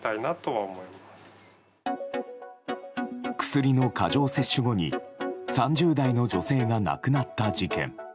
薬の過剰摂取後に３０代の女性が亡くなった事件。